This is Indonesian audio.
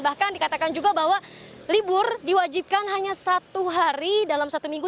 bahkan dikatakan juga bahwa libur diwajibkan hanya satu hari dalam satu minggu